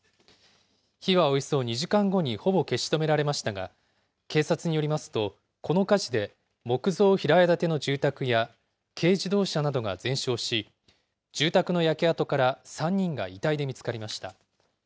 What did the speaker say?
火はおよそ２時間後にほぼ消し止められましたが、警察によりますと、この火事で木造平屋建ての住宅や軽自動車などが全焼し、住宅の焼け跡から３人が遺体で見つかりました。